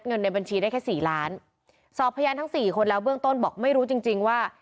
ในบัญชีได้แค่สี่ล้านสอบพยานทั้งสี่คนแล้วเบื้องต้นบอกไม่รู้จริงจริงว่า